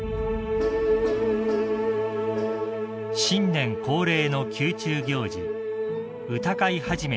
［新年恒例の宮中行事］